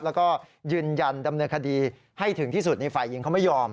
แล้วก็ยืนยันดำเนินคดีให้ถึงที่สุดในฝ่ายหญิงเขาไม่ยอม